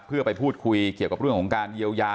เพื่อไปพูดคุยเกี่ยวกับเรื่องของการเยียวยา